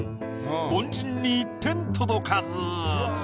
凡人に１点届かず。